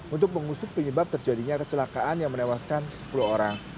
untuk mengusut penyebab terjadinya kecelakaan yang menewaskan sepuluh orang